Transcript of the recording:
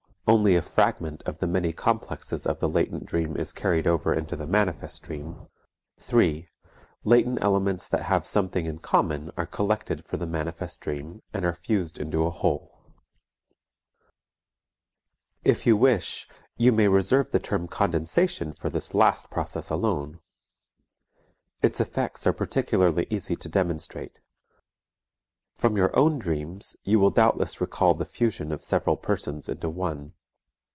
only a fragment of the many complexes of the latent dream is carried over into the manifest dream; 3. latent elements that have something in common are collected for the manifest dream and are fused into a whole. If you wish, you may reserve the term "condensation" for this last process alone. Its effects are particularly easy to demonstrate. From your own dreams you will doubtless recall the fusion of several persons into one.